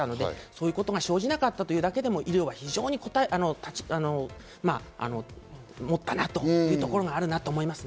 そういうことが生じなかっただけでも医療は持ったなというところはあると思います。